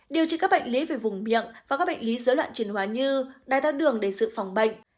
điều trị các bệnh lý về vùng miệng và các bệnh lý dưới loạn chuyển hóa như đai tác đường để sự phòng bệnh